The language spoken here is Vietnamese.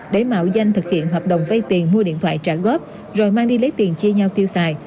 để mạo danh thực hiện hợp đồng vay tiền mua điện thoại trả góp rồi mang đi lấy tiền chia nhau tiêu xài